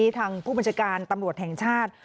ทางผู้บัญชาการตำรวจแห่งชาติ